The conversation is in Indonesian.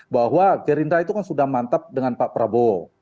bahwa gerindra itu kan sudah mantap dengan pak prabowo